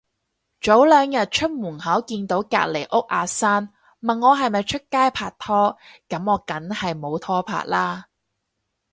早兩日出門口見到隔離屋阿生，問我係咪出街拍拖，噉我梗係冇拖拍啦